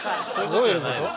どういうこと？